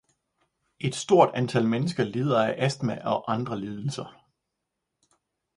Et stort antal mennesker lider af astma og andre lidelser.